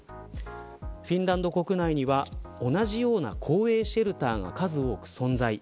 フィンランド国内には同じような公営シェルターが数多く存在。